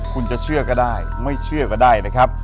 อยู่ที่แม่ศรีวิรัยิลครับ